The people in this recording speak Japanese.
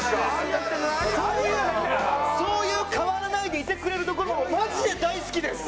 そういうそういう変わらないでいてくれるところもマジで大好きです！